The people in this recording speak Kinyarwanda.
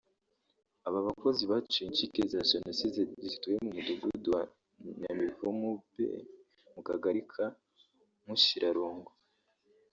Aba bakozi basuye incike za Jenoside zituye mu Mudugudu wa Nyamivumu B mu Kagari ka Mushirarungu